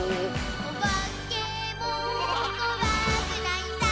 「おばけもこわくないさ」